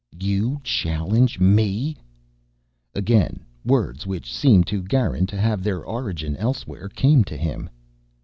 "You challenge me?" Again words, which seemed to Garin to have their origin elsewhere, came to him.